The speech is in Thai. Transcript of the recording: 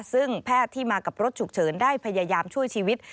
ซึ่งแพทย์ที่มากับรถฉุกเฉินได้พยายามช่วยชีวิต